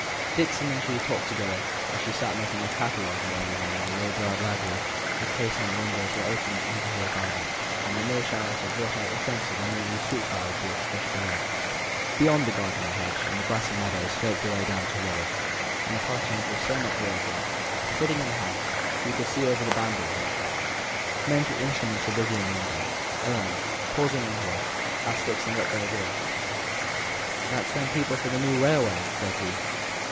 Dixon and she talked together as she sat making a catalogue one evening in the old low browed library; the casement windows were open into the garden, and the May showers had brought out the scents of the new leaved sweetbriar bush just below. Beyond the garden hedge the grassy meadows sloped away down to the river; the Parsonage was so much raised that, sitting in the house, you could see over the boundary hedge. Men with instruments were busy in the meadow. Ellinor, pausing in her work, asked Dixon what they were doing. "Them's the people for the new railway," said he.